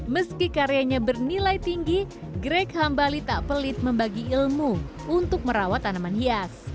meski karyanya bernilai tinggi greg hambali tak pelit membagi ilmu untuk merawat tanaman hias